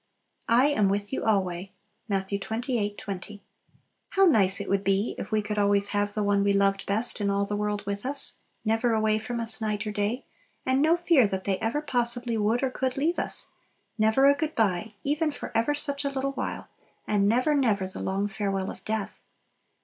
"I am with you alway." Matt. xxvlii. 20. How nice it would be if we could always have the one we loved best in all the world with us; never away from us night or day, and no fear that they ever possibly would or could leave us; never a good bye even for ever such a little while, and never, never the long farewell of death!